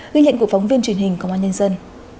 ghi nhận của phóng viên truyền hình công an nhân dân